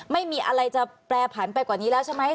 ไม่มีอะไรจะแปรผันไปกว่านี้แล้วใช่ไหม